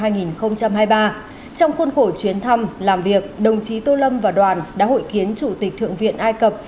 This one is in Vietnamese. trong khuôn khổ chuyến thăm làm việc đồng chí tô lâm và đoàn đã hội kiến chủ tịch thượng viện ai cập